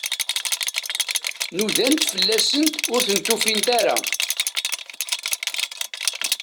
Nudant fell-asent, ur tent-ufint ara.